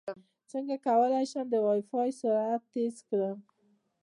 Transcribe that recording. څنګه کولی شم د وائی فای سرعت ډېر کړم